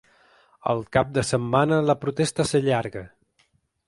El cap de setmana la protesta s’allarga.